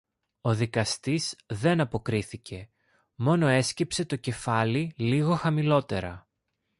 Ο δικαστής δεν αποκρίθηκε, μόνο έσκυψε το κεφάλι λίγο χαμηλότερα.